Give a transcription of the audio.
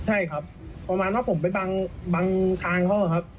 ใช่ครับประมาณว่าผมไปบังทางเขาอะครับ